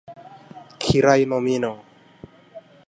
kirai nomino